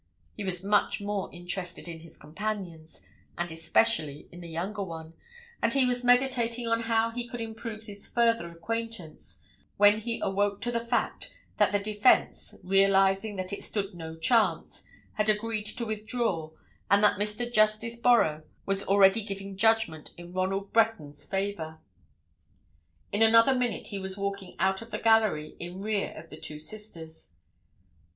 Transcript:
He was much more interested in his companions, and especially in the younger one, and he was meditating on how he could improve his further acquaintance when he awoke to the fact that the defence, realizing that it stood no chance, had agreed to withdraw, and that Mr. Justice Borrow was already giving judgment in Ronald Breton's favour. In another minute he was walking out of the gallery in rear of the two sisters.